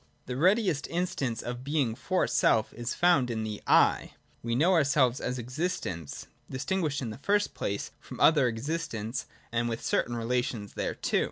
The readiest instance of Being for self is found in the ' I.' We know ourselves as existents, distinguished in the first place from other existents, and with certain relations thereto.